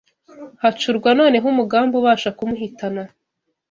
Hacurwa noneho umugambi ubasha kumuhitana